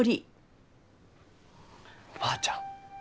おばあちゃん。